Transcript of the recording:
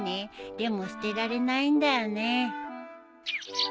でも捨てられないんだよね。